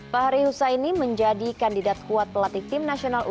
pak hari husa ini menjadi kandidat kuat pelatih tim nasional u sembilan belas